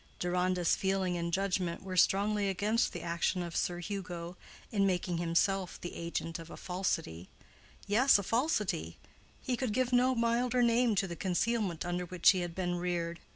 Deronda's feeling and judgment were strongly against the action of Sir Hugo in making himself the agent of a falsity—yes, a falsity: he could give no milder name to the concealment under which he had been reared.